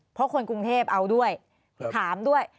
เพราะคนกรุงเทพเอาด้วยถามด้วย